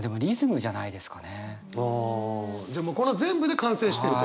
じゃあもうこの全部で完成してると。